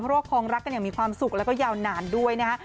เพราะว่าคลองรักกันอย่างมีความสุขแล้วก็ยาวนานด้วยนะฮะ